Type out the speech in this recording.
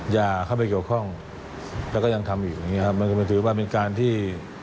อย่าเข้าไปเกี่ยวข้องแล้วก็ยังทำอยู่มันถือว่าเป็นการที่